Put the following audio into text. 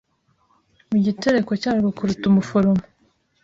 mu gitereko cyarwo kuruta umuforomo